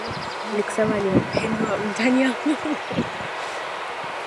Nikisema nimependwa, mtaniamini?